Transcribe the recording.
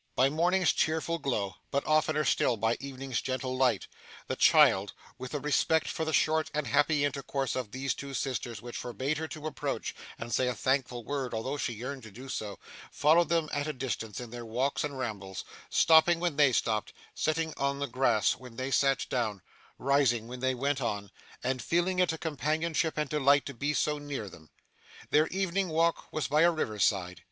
By morning's cheerful glow, but oftener still by evening's gentle light, the child, with a respect for the short and happy intercourse of these two sisters which forbade her to approach and say a thankful word, although she yearned to do so, followed them at a distance in their walks and rambles, stopping when they stopped, sitting on the grass when they sat down, rising when they went on, and feeling it a companionship and delight to be so near them. Their evening walk was by a river's side.